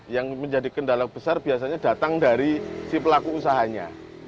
yang menjadi kendala besar biasanya datang dari si pelaku usahanya